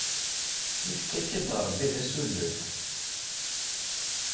Ifka-k-id Ṛebbi d asulef!